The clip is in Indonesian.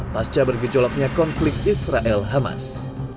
pasca bergejolaknya konflik israel hamas